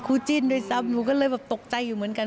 จิ้นด้วยซ้ำหนูก็เลยแบบตกใจอยู่เหมือนกัน